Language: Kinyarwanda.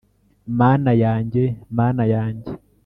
mana yanjye, mana yanjye